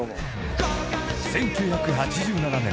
［１９８７年